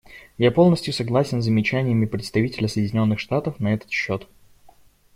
Я полностью согласен с замечаниями представителя Соединенных Штатов на этот счет.